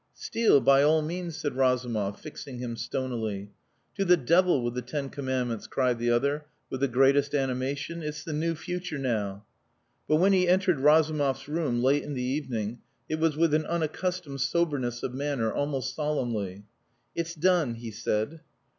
"Steal, by all means," said Razumov, fixing him stonily. "To the devil with the ten commandments!" cried the other, with the greatest animation. "It's the new future now." But when he entered Razumov's room late in the evening it was with an unaccustomed soberness of manner, almost solemnly. "It's done," he said.